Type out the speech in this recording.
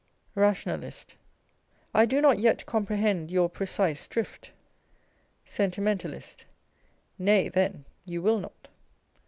Rationalist. I do not yet comprehend your precise drift. Sentimentalist. Nay, then, you will not.